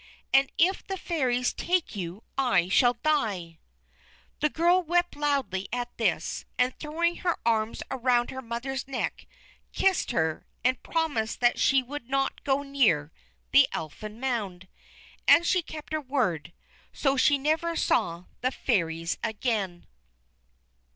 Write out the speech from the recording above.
And if the Fairies take you, I shall die!" The girl wept loudly at this, and throwing her arms around her mother's neck, kissed her, and promised that she would not go near the Elfin Mound. And she kept her word, so she never saw the Fairies again.